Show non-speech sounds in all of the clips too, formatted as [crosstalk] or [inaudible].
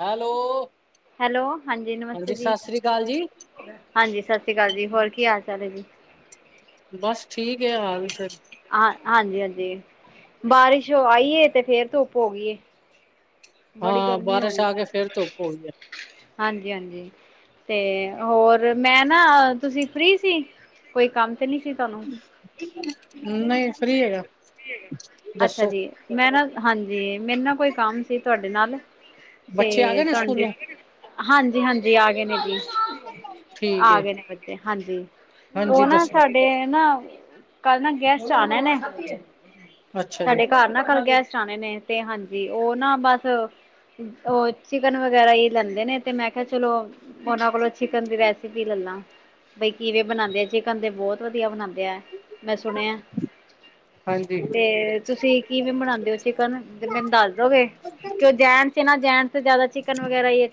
Hello! Hello! ਹਾਂਜੀ ਨਮਸਤੇ ਜੀ, ਸਤਿ ਸ੍ਰੀ ਅਕਾਲ ਜੀ ਹਾਂਜੀ ਸਤਿ ਸ਼੍ਰੀ ਅਕਾਲ ਜੀ, ਹੋਰ ਕਿ ਹਾਲ -ਚਾਲ ਹੈ ਜੀ? ਬਸ ਠੀਕ ਏ ਹਾਲ ਫਿਰ। ਹਾਂ ਹਾਂਜੀ -ਹਾਂਜੀ, ਬਾਰਿਸ਼ ਓ ਆਈ ਤੇ ਫੇਰ ਧੁੱਪ ਹੋ ਗਈ ਹੈ। ਹਾਂ, ਬਾਰਿਸ਼ ਆ ਕੇ ਫੇਰ ਧੁਪ ਹੋ ਗਈ ਹੈ। ਹਾਂਜੀ- ਹਾਂਜੀ, ਤੇ ਹੋਰ ਮੈਂ ਨਾ, ਤੁਸੀਂ ਫਰੀ ਸੀ? ਕੋਈ ਕੰਮ ਤੇ ਨਹੀਂ ਸੀ ਤੁਹਾਨੂੰ? ਨਹੀਂ ਫ੍ਰਰੀ ਹੈਗਾ। ਅੱਛਾ ਦੱਸੋ ਜੀ, ਮੈਂ ਨਾ ਹਾਂਜੀ ਮੈਨੂੰ ਨਾ ਕੋਈ ਕੰਮ ਸੀ ਤੁਹਾਡੇ ਨਾਲ ਬੱਚੇ ਆ ਤੇ ਗਏ ਨੇ ਤੁਾਨ, ਸਕੂਲੋਂ ਹਾਂਜੀ- ਹਾਂਜੀ, ਆ ਗਏ ਨੇ ਜੀ। ਠੀਕ ਹੈ ਆ ਗਏ ਨੇ ਬੱਚੇ। ਹਾਂਜੀ, ਉਹ ਹਾਂਜੀ ਨਾ ਦੱਸੋ ਸਾਡੇ- ਤੇ ਨਾ ਕੱਲ ਨਾ ਗੈਸਟ ਆਣੇ ਨੇ। ਅੱਛਾ ਜੀ ਸਾਡੇ ਘਰ ਨਾ ਕਲ ਗੈਸਟ ਆਣੇ ਨੇ। ਤੇ ਹਾਂਜੀ, ਉਹ ਨਾ ਬਸ ਉਹ ਚਿਕਨ ਵਗੈਰਾ ਹੀ ਲੈਂਦੇ ਨੇ ਤੇ ਮੈਂ ਕਿਹਾ ਚਲੋ ਉਹਨਾਂ ਕੋਲੋਂ ਚਿਕਨ ਦੀ ਰੈਸਿਪੀ ਲੈਲਾਂ। ਬਈ ਕਿਵੇਂ ਬਣਾਦੇ ਆ ਚਿਕਨ ਤੇ ਬਹੁਤ ਵਧੀਆ ਬਣਾਉਂਦੇ ਆ, ਮੈਂ ਸੁਣਿਆ। ਹਾਂਜੀ ਤੇ ਤੁਸੀਂ ਕਿਵੇਂ ਬਨਾਉਂਦੇ ਓ ਚਿਕਨ, ਤੇ ਮੈਨੂੰ ਦੱਸ ਦੋਗੇ? ਕਿਊ ਜੈਂਟਸ ਏ ਨਾ, ਜੈਂਟਸ ਤੇ ਜ਼ਿਆਦਾ ਚਿਕਨ ਵਗੈਰਾ ਹੀ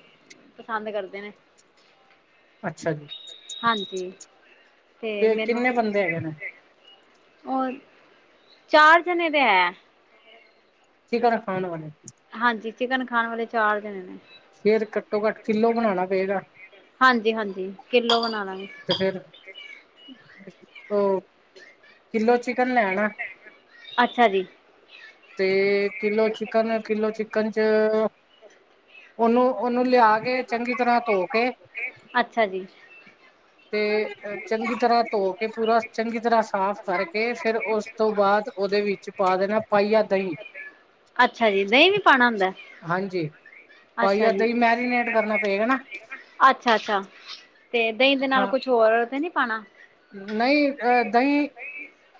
ਪਸੰਦ ਕਰਦੇ ਨੇ। ਅੱਛਾ ਜੀ ਹਾਂਜੀ ਤੇ ਕਿੰਨੇ ਬੰਦੇ ਹੈਗੇ ਨੇ? ਔਰ ਚਾਰ ਜਣੇ ਤੇ ਹੈ। ਚਿਕਨ ਖਾਣ ਵਾਲੇ? ਹਾਂਜੀ, ਚਿਕਨ ਖਾਣ ਵਾਲੇ ਚਾਰ ਜਣੇ ਨੇ। ਫੇਰ ਘੱਟੋ- ਘੱਟ ਕਿਲੋ ਬਣਾਉਣਾ ਪਏਗਾ। ਹਾਂਜੀ ਹਾਂਜੀ ਕਿੱਲੋ ਬਣਾ ਲਾਂਗੇ ਤੇ ਫਿਰ, ਉਹ, ਕਿਲੋ ਚਿਕਨ ਲੈਣਾ। ਅੱਛਾ ਜੀ ਤੇ ਕਿਲੋ ਚਿਕਨ, ਕਿਲੋ ਚਿਕਨ 'ਚ ਉਹਨੂੰ- ਉਹਨੂੰ ਲਿਆ ਕੇ - ਆ ਕੇ ਚੰਗੀ ਤਰ੍ਹਾਂ ਧੋ ਕੇ ਅੱਛਾ ਜੀ ਤੇ ਚੰਗੀ ਤਰ੍ਹਾਂ ਧੋ ਕੇ, ਪੂਰਾ ਚੰਗੀ ਤਰ੍ਹਾਂ ਸਾਫ਼ ਕਰਕੇ ਫਿਰ ਉਸ ਤੋਂ ਬਾਅਦ ਉਹਦੇ ਵਿੱਚ ਪਾ ਦੇਣਾ ਪਾਈਆ ਦਹੀਂ। ਅੱਛਾ ਜੀ, ਦਹੀਂ ਵੀ ਪਾਉਣਾ ਹੁੰਦਾ ਏ? ਹਾਂਜੀ, ਪਾਇਆ ਦਹੀਂ ਮੈਰੀਨੇਟ ਕਰਨਾ ਪਏਗਾ ਨਾ। ਅੱਛਾ- ਅੱਛਾ ਤੇ ਦਹੀਂ ਦੇ ਨਾਲ ਹਾਂ ਕੁਛ ਹੋਰ ਤੇ ਨੀ ਪਾਣਾ? ਨਹੀਂ ਅ ਦਹੀਂ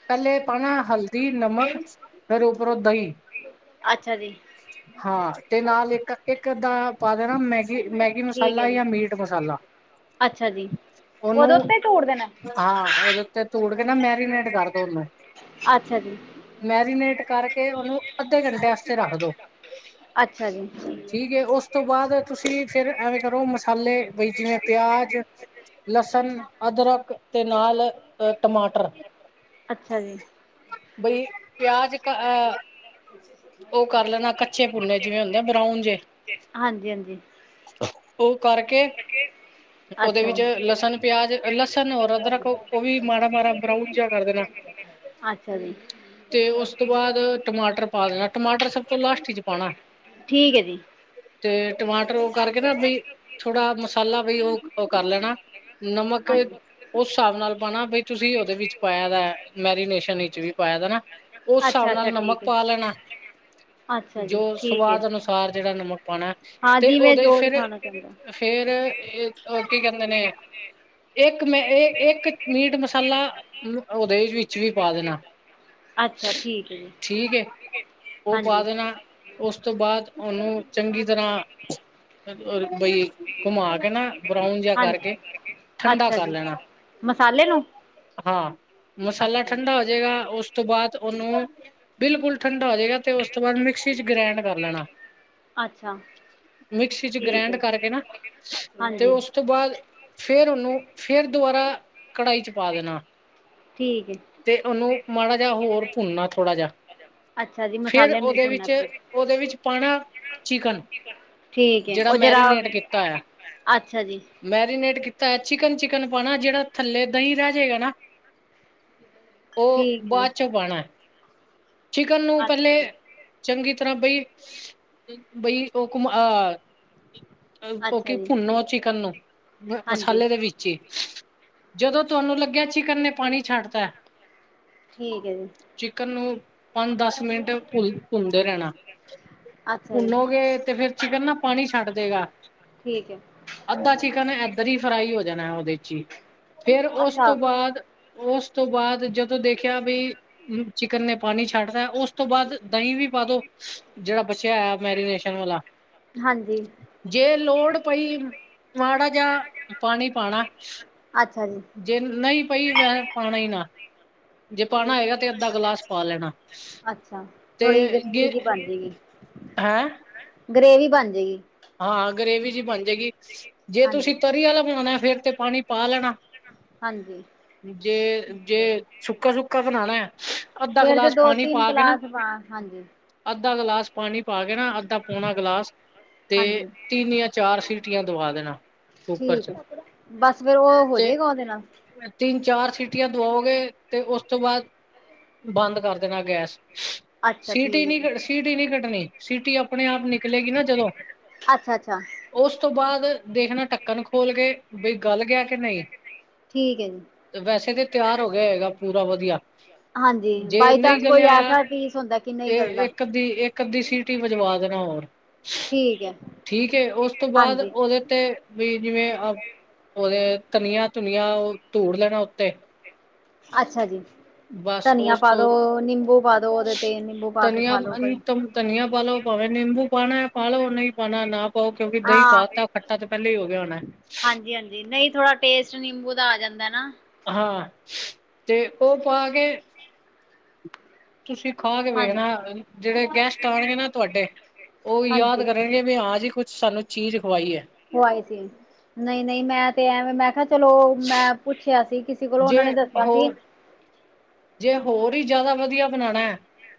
ਪਹਿਲੇ ਪਾਣਾ ਹਲਦੀ, ਨਮਕ ਫੇਰ ਉੱਪਰੋਂ ਦਹੀਂ। ਅੱਛਾ ਜੀ। ਹਾਂ ਤੇ ਨਾਲ ਇੱਕ ਇੱਕ ਅੱਦਾ ਪਾ ਦੇਣਾ ਮੈਗੀ ਮੈ ਕਿ ਠੀਕ ਹੈ ਮਸਾਲਾ ਜੀ ਜਾਂ ਮੀਟ ਮਸਾਲਾ ਅੱਛਾ ਜੀ ਉਹਦੇ ਉਹਨੂੰ ਉੱਤੇ ਝੂੜ ਦੇਣਾ ਹਾਂ, ਉਹਦੇ ਉੱਤੇ ਧੂੜ ਕੇ ਨਾ ਮੈਰੀਨੇਟ ਕਰਦੈ ਉਹਨੂੰ। ਅੱਛਾ ਜੀ ਮੈਰੀਨੇਟ ਕਰਕੇ ਉਹਨੂੰ ਅੱਧੇ ਘੰਟੇ ਆਸਤੇ ਰੱਖਦੋ। ਅੱਛਾ ਜੀ। ਠੀਕ ਏ ਉਸ ਤੋਂ ਬਾਅਦ ਤੁਸੀਂ ਫਿਰ ਐਵੇਂ ਕਰੋ ਮਸਾਲੇ ਬਈ ਜਿਵੇਂ ਪਿਆਜ ਲਸਣ ਅਦਰਕ ਤੇ ਨਾਲ ਟਮਾਟਰ ਅੱਛਾ ਜੀ। ਬਈ ਪਿਆਜ ਕ ਅ ਉਹ ਕਰ ਲੈਣਾ ਕੱਚੇ ਭੁੰਨੇ ਜਿਵੇਂ ਹੁੰਦੇ ਬਰਾਊਨ ਜੇ [unintelligible] ਹਾਂਜੀ ਹਾਂਜੀ। ਉਹ ਕਰਕੇ ਕੇ ਉਹਦੇ ਵਿੱਚ ਲਸਣ ਪਿਆਜ ਲਸਣ ਐਰ ਅਦਰਕ ਉਹ ਵੀ ਮਾੜਾ ਮਾੜਾ ਬਰਾਊਨ ਜਿਹਾ ਕਰ ਦੇਣਾ। ਹਾ ਅੱਛਾ ਜੀ। ਤੇ ਉਸ ਤੋਂ ਬਾਅਦ ਟਮਾਟਰ ਪਾ ਦੇਣਾ ਟਮਾਟਰ ਸਭ ਤੋਂ ਲਾਸਟ ਇਚ ਪਾਣਾ। ਠੀਕ ਏ ਜੀ। ਤੇ ਟਮਾਟਰ ਉਹ ਕਰਕੇ ਨਾ ਬਈ ਥੋੜਾ ਮਸਾਲਾ ਬਈ ਉਹ ਉਹ ਕਰ ਲੈਣਾ। ਨਮਕ ਹਾਂਜੀ ਉਸ ਹਿਸਾਬ ਨਾਲ ਪਾਣਾ ਬਈ ਤੁਸੀਂ ਉਹਦੇ ਵਿੱਚ ਪਾਇਆ ਮੈਰੀਨੇਸ਼ਨ ਈ। ਵਿਚ ਵੀ ਪਾਇਆ ਦਾ ਨਾ ਉਸ ਹਿਸਾਬ ਅੱਛਾ ਅੱਛਾ ਨਾਲ ਨਮਕ ਠੀਕ ਹੈ ਪਾ ਲੈਣਾ ਅੱਛਾ ਜੀ ਜੋ ਠੀਕ ਹੈ ਸਵਾਦ ਅਨੁਸ ਚਾਰ ਜਗ੍ਹਾ ਨਮਕ ਪਾਉਣਾ ਹਾਂ ਤੇ ਜਿਵੇਂ ਉਹਦੇ ਚ ਜੋ ਫੇਰ ਲਿਖਾਣਾ ਚਾਹੁੰਦਾ ਫੇਰ ਇਹ ਉਹ ਕੀ ਕਹਿੰਦੇ ਨੇ ਇੱਕ ਮੈਂ ਇਹ ਇੱਕ ਮੀਟ ਮਸਾਲਾ ਉਹਦੇ ਵਿੱਚ ਵੀ ਪਾ ਦੇਣਾ। ਅੱਛਾ ਠੀਕ ਹੈ ਜੀ ਠੀਕ ਏ ਉਹ ਪਾ ਹਾਂਜੀ ਦੇਣਾ। ਉਸ ਤੋਂ ਬਾਅਦ ਉਹਨੂੰ ਚੰਗੀ ਤਰ੍ਹਾਂ ਬਈ ਘੁਮਾ ਕੇ ਨਾ ਬਰਾਊਨ ਜਿਹਾ ਕਰਕੇ ਹਾਂਜੀ ਠੰਡਾ ਅੱਛਾ ਕਰ ਜੀ ਲੈਣਾ। ਮਸਾਲੇ ਨੂੰ ਹਾਂ ਮਸਾਲਾ ਅੱਛਾ ਜੀ ਠੰਢਾ ਹੋਜੇਗਾ। ਉਸ ਤੋਂ ਬਾਅਦ ਉਹਨੂੰ ਬਿਲਕੁਲ ਠੰਡਾ ਹੋ ਜੇਗਾ ਤੇ ਉਸ ਤੋਂ ਬਾਅਦ ਮਿਕਸ ਚ ਗ੍ਰੈਂਡ ਕਰ ਲੈਣਾ। ਅੱਛਾ ਮਿਕਸੀ ਚ ਠੀਕ ਗ੍ਰੈਂਡ ਹੈ ਕਰਕੇ ਨਾ ਤੇ ਹਾਂਜੀ ਉਸ ਤੋਂ ਬਾਅਦ ਫੇਰ ਉਹਨੂੰ ਫੇਰ ਦੁਬਾਰਾ ਕੜਾਹੀ ਚ ਪਾ ਦੇਣਾ। ਠੀਕ ਹੈ ਤੇ ਉਹਨੂੰ ਮਾੜਾ ਜਿਹਾ ਹੋਰ ਭੁੰਨਨਾ ਥੋੜ੍ਹਾ ਜਿਹਾ ਅੱਛਾ ਜੀ ਫੇਰ ਮਸਾਲੇ ਨੂੰ ਨਹੀਂ ਉਹਦੇ ਭੁੰਨਣਾ ਵਿੱਚ ਫਿਰ ਉਹਦੇ ਵਿੱਚ ਪਾਣਾ ਚਿਕਨ ਠੀਕ ਹੈ ਜਿਹੜਾ ਉਹ ਜਰਾ ਮੈਰੀਨੇਟ ਕੀਤਾ ਹੋਇਆ। ਅੱਛਾ ਜੀ ਮੈਰੀਨੇਟ ਕੀਤਾ ਹੋਇਆ ਚਿਕਨ ਚਿਕਨ ਪਾਣਾ ਜਿਹੜਾ ਥੱਲੇ ਦਹੀਂ ਰਹਿ ਜੇਗਾ ਨਾ। ਉਹ ਠੀਕ। ਹੈ ਜੀ ਬਾਅਦ ਚੋਂ ਪਾਣੈ ਚਿਕਨ ਨੂੰ ਅੱਛ ਪਹਿਲੇ ਚੰਗੀ ਤਰ੍ਹਾਂ ਬਈ ਬਈ ਉਹ ਘੁਮਹ ਉਹ ਅੱਛਾ ਕਿ ਜੀ ਭੁੰਨੋ ਚਿਕਨ ਨੂੰ ਹਾਂਜੀ ਮਸਾਲੇ ਦੇ ਵਿੱਚ ਜੀ ਜਦੋਂ ਤੁਹਾਨੂੰ ਲੱਗਿਆ ਚਿਕਰ ਨੇ ਪਾਣੀ ਛੱਡਤੈ ਠੀਕ ਹੈ ਜੀ। ਚਿਕਨ ਨੂੰ ਪੰਜ ਦਸ ਮਿੰਟ ਭੁੰਨਦੇ ਰਹਿਣਾ। ਅੱਛਾ ਜੀ ਭੁੰਨੋਗੇ ਤੇ ਫੇਰ ਚਿਕਨ ਨਾ ਪਾਣੀ ਛੱਡ ਦੇਗਾ। ਠੀਕ ਹੈ ਅੱਧਾ ਚਿਕਨ ਏਧਰ ਹੀ ਫਰਾਈ ਹੋ ਜਾਣੈ ਉਹਦੇ ਚ ਹੀ ਫੇਰ ਉਸ ਅੱਛਾ ਤੋਂ ਬਾਅਦ ਉਸ ਤੋਂ ਬਾਅਦ ਜਦੋਂ ਦੇਖਿਆ ਬਈ ਚਿਕਨ ਨੇ ਪਾਣੀ ਛੱਡਦਾ ਉਸ ਤੋਂ ਬਾਅਦ ਦਹੀਂ ਵੀ ਪਾ ਦੋ। ਜਿਹੜਾ ਬਚਿਆ ਹੋਇਆ ਮੈਰੀਨੇਸ਼ਨ ਵਾਲਾ। ਹਾਂਜੀ। ਜੇ ਲੋੜ ਪਈ ਮਾੜਾ ਜਿਹਾ ਪਾਣੀ ਪਾਣਾ। ਅੱਛਾ ਜੀ। ਜੇ ਨਹੀ ਪਈ ਵੈਸ਼ੇ ਪਾਣਾ ਹੀ ਨਾ। ਜੇ ਪਾਉਣਾ ਠੀਕ ਹੋਏਗਾ ਤੇ ਅੱਧਾ ਗਲਾਸ ਪਾ ਲੈਣਾ। ਅੱਛਾ ਤੇ ਥੋੜ੍ਹੀ ਗਰੇਵੀ ਜੇ ਜਿਹੀ ਹੇ। ਗੇ੍ਵੀ ਬਣ ਜਾਏਗੀ। ਹਾਂ ਗੇ੍ਵੀ ਜੀ ਬਣ ਜਾਏਗੀ। ਜੇ ਹਾਂਜੀ ਤੁਸੀਂ ਤਰੀ ਵਾਲਾ ਬਣਾਉਣਾ ਫੇਰ ਤੇ ਪਾਣੀ ਪਾ ਲੈਣਾ ਹਾਂਜੀ ਜੇ, ਠੀਕ ਹੈ ਜੇ ਜੀ ਸੁੱਕਾ- ਸੁੱਕਾ ਬਣਾਣਾ ਏ। ਅੱਧਾ ਫੇਰ ਤੇ ਗਲਾਸ ਦੋ ਪਾਣੀ ਤਿੰਨ ਪਾ ਕੇ ਨਾ। ਕਲਾਸ ਪਾ ਹਾਂਜੀ ਅੱਧਾ ਗਲਾਸ ਪਾਣੀ ਪਾ ਕੇ ਨਾ ਅੱਧਾ, ਪੌਣਾ ਗਲਾਸ। ਤੇ ਹਾਂਜੀ ਤਿੰਨ ਯਾ ਚਾਰ ਸੀਟੀਆਂ ਦਵਾ ਦੇਣਾ। ਕੁੱਕਰ ਠੀਕ ਚ ਏ। ਬਸ ਫੇਰ ਉਹ ਹੋ ਤੇ ਜਏਗਾ ਉਹਦੇ ਨਾਲ। ਤਿੰਨ, ਚਾਰ ਸੀਟੀਆਂ ਦਵਾਓਗੇ। ਤੇ ਉਸ ਤੋਂ ਬਾਦ ਬੰਦ ਕਰ ਦੇਣਾ ਗੈਸ। ਅੱਛਾ ਸੀਟੀ, ਠੀਕ ਹੈ ਨਹੀਂ ਜੀ ਕ ਸੀਟੀ ਨਹੀਂ ਕੱਡਣੀ। ਸੀਟੀ ਅਪਣੇ ਆਪ ਨਿਕਲੇਗੀ ਨਾ ਜਦੋਂ। ਅੱਛਾ ਅੱਛਾ, ਅੱਛਾ ਉਸ ਤੋਂ ਬਾਅਦ ਦੇਖਣਾ ਢੱਕਣ ਖੋਲ ਕੇ ਬਈ ਗਲ ਗਿਆ ਕੇ ਨਹੀ। ਠੀਕ ਹੈ ਜੀ। ਵੈਸੇ ਤੇ ਤਿਆਰ ਹੋ ਗਿਆ ਹੋਏਗਾ ਪੂਰਾ ਵਧੀਆ। ਹਾਂਜੀ ਜੇ ਬਾਈ ਨਹੀਂ ਚਾਂਸ ਕੋਈ ਗਲਿਆ, ਐਸਾ ਪੀਸ ਹੁੰਦਾ ਕਿ ਨਹੀਂ ਤੇ ਗਲਦਾ ਇੱਕ ਅਦੀ ਇੱਕ ਇਕ-ਅੱਦੀ ਸੀਟੀ ਵਜਵਾ ਦੇਣਾ ਹੋਰ। ਠੀਕ ਏ। ਠੀਕ ਏ, ਉਸ ਤੋਂ ਬਾਦ ਉਹਦੇ ਤੇ ਵੀ ਜਿਵੇਂ ਉਹਦੇ ਧਨੀਆ-ਧੁਨੀਆ ਧੂੜ ਲੈਣਾ ਉੱਤੇ ਅੱਛਾ ਜੀ। ਬਸ ਧਨੀਆ ਉਸ ਪਾ ਤੋਂ ਦੋ ਨਿੰਬੂ ਪਾ ਦੋ ਉਹਦੇ। ਤੇ ਨਿੰਬੂ ਪਾ ਕੇ ਧਨੀਆ ਖਾ ਲੋ ਅਨ ਕੋਈ ਤਮ ਧਨੀਆ ਪਾਾਲੋ। ਭਾਵੇਂ ਨਿੰਬੂ ਪਾਣੈ ਪਾਾਲੋ ਨਹੀਂ ਪਾਉਣਾ ਨਾ ਪਾਓ। ਪਾਓ ਕਿਉਂਕਿ ਦਹੀਂ ਹਾਂ ਪਾਤਾ ਖੱਟਾ ਤੇ ਪਹਿਲਾਂ ਹੀ ਹੋ ਗਿਆ ਹੋਣੈ। ਹਾਂਜੀ, ਹਾਂਜੀ ਨਹੀਂ ਥੋੜਾ ਟੇਸਟ ਨਿੰਬੂ ਦਾ ਆ ਜਾਂਦਾ ਨਾ। ਹਾਂ, ਤੇ ਉਹ ਪਾ ਕੇ ਤੁਸੀਂ ਖਾ ਕੇ ਹਾਂਜੀ ਵੇਖਣਾ। ਜਿਹੜੇ ਗੈਸਟ ਆਣਗੇ ਨਾ ਤੁਵਾਡੇ, ਉਹ ਵੀ ਯਾਦ ਹਾਂਜੀ ਕਰਨ ਕੈਂਦੇ, ਹਾਂ ਜੀ ਕੁਛ ਸਾਨੂੰ ਚੀਜ਼ ਖਵਾਈ ਐ। ਉਹ ਆਏ ਸੀ। ਨ‌ਈਂ-ਨ‌ਈਂ ਮੈਂ ਤੇ ਐਵੇਂ ਮੈਂ ਕਿਹਾ ਚਲੋ, ਮੈਂ ਪੁੱਛਿਆ ਸੀ ਕਿ ਜੇ ਉਹਨਾਂ ਨੇ ਦੱਸਿਆ ਸੀ ਹੋਰ ਜੇ ਹੋਰ ਈ ਜ਼ਿਆਦਾ ਵਧੀਆ ਬਣਾਂਣਾ ਐ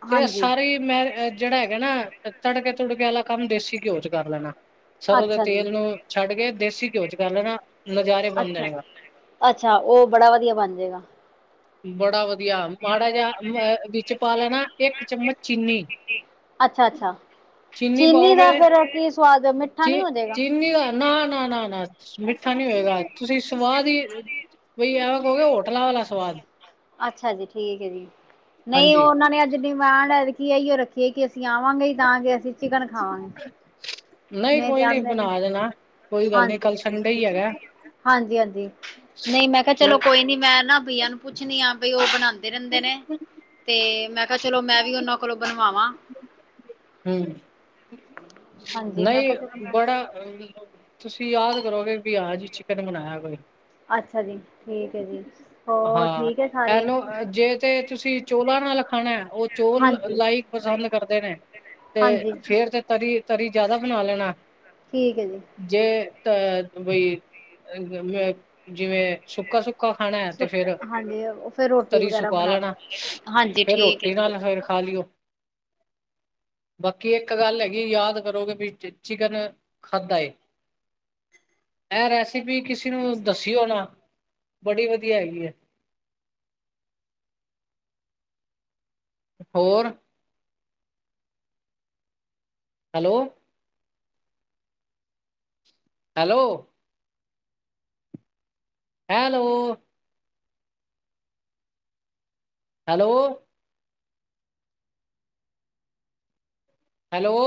ਤੇ ਹਾਂਜੀ ਸਾਰੀ ਮੈਂ ਜਿਹੜਾ ਹੈਗਾ ਨਾ ਤੜਕੇ-ਤੁੜਕੇ ਆਲਾ ਕੰਮ, ਦੇਸੀ ਘਿਓ 'ਚ ਕਰ ਲੈਣਾ। ਸਰ੍ਹੋਂ ਦੇ ਅੱਛਾ ਜੀ ਤੇਲ ਨੂੰ ਛੱਡ ਕੇ, ਦੇਸੀ ਘਿਓ 'ਚ ਕਰ ਲੈਣਾ ਨਜ਼ਾਰੇ ਬੰਨ‌ ਅੱਛਾ। ਦੇਏਗਾ। ਅੱਛਾ, ਉਹ ਬੜਾ ਵਧੀਆ ਬਣਜੇਗਾ। ਬੜਾ ਵਧੀਆ। ਮਾੜਾ ਜਿਹਾ ਅ ਵਿੱਚ ਪਾ ਲੈਣਾ ਇੱਕ ਚੱਮਚ ਚੀਨੀ ਅੱਛਾ-ਅੱਛਾ, ਚੀਨੀ ਦਾ ਫੇਰ ਕੀ ਸਵਾਦ ਏ, ਮਿੱਠਾ ਨੀ ਹੋਜੇਗਾ। ਨਾ-ਨਾ, ਨਾ-ਨਾ ਮਿੱਠਾ ਨੀ ਹੋਏਗਾ ਤੁਸੀ ਸਵਾਦ ਈ, ਬਈ ਐਵੇਂ ਕ‌ਓਗੇ ਹੋਟਲਾਂ ਵਾਲਾ ਸਵਾਦ ਅੱਛਾ ਜੀ, ਠੀਕ ਏ ਜੀ, ਨਹੀਂ ਹਾਂਜੀ ਉਹਨਾਂ ਨੇ ਅੱਜ ਡਿਮਾਂਡ ਏਦਕੀ ਏਇੳ ਰੱਖੀ ਐ ਕਿ ਕਿ ਆਵਾਂਗੇ ਈ ਤਾਂ ਕੇ ਅਸੀਂ ਚਿਕਨ ਖਾਵਾਂਗੇ। ਨਈ ਕੋਈ ਨੀ ਬਨਾ ਦੇਨਾ। ਹਾਂਜੀ-ਹਾਂਜੀ ਬਿਲਕੁਲ ਹਾਂਜੀ ਨਈ ਮੈਂ ਕਿਹਾ ਚਲੋ ਕੋਈ ਨੀ ਮੈਂ ਨਾ ਬਈਆ ਨੂੰ ਪੁੱਛਣੀ ਆ ਬਈ ਓ ਬਣਾਦੇ ਰਹਿੰਦੇ ਨੇ, ਤੇ ਮੈਂ ਕਿਹਾ ਚਲੋ ਮੈਂ ਵੀ ਓਨਾਂ ਕੋਲੋਂ ਬਣਵਾਵਾਂ ਹੂੰ, ਹਾਂਜੀ ਮੈਂ ਨਈ ਕਿਹਾ ਚਲੋ ਮੈਂ ਬੜਾ ਤੁਸੀਂ ਯਾਦ ਕਰੋਗੇ ਕਿ ਹਾਂ ਜੀ ਚਿਕਨ ਬਣਾਇਆ ਕੋਈ ਅੱਛਾ ਜੀ, ਠੀਕ ਏ ਜੀ। ਹੋਰ ਹਾਂ, ਠੀਕ ਹੈ ਸਾਰੇ ਏਨੂੰ ਜੇ ਤੇ ਤੁਸੀਂ ਚੋਲਾਂ ਨਾਲ ਖਾਣਾ ਓ ਚੋਲ ਹਾਂਜੀ ਲਾਈਕ ਪਸੰਦ ਕਰਦੇ ਨੇ ਤੇ ਹਾਂਜੀ ਫੇਰ ਤੇ ਤਰੀ ਤਰੀ ਜਾਦਾ ਬਨਾ ਲੈਨਾ ਠੀਕ ਏ ਜੀ। ਜੇ ਤ ਬਈ ਜਿਵੇਂ ਸੁੱਕਾ-ਸੁੱਕਾ ਖਾਣਾ ਤੇ ਫੇਰ ਹਾਂਜੀ ਫਿਰ ਰੋਟੀ ਤਰੀ ਵਗੈਰਾ ਸੁਕਾ ਬਣਾ ਲਓ ਲੈਣਾ ਹਾਂਜੀ ਫੇਰ ਰੋਟੀ ਨਾਲ ਫੇਰ ਖਾ ਲਈਏ ਹ ਬਾਕੀ ਇੱਕ ਗੱਲ ਹੈਗੀ ਯਾਦ ਕਰੋਗੇ ਵੀ ਚਿਕਨ ਖਾਧਾ ਏ ਇਹ ਰੈਸਪੀ ਕਿਸੇ ਨੂੰ ਦਸੀਓ ਨਾ ਬੜੀ ਵਧੀਆ ਹੈਗੀ ਹੈ ਹੋਰ hello hello hello hello hello